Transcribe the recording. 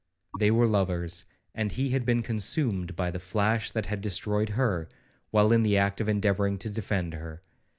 They were lovers, and he had been consumed by the flash that had destroyed her, while in the act of endeavouring to defend her.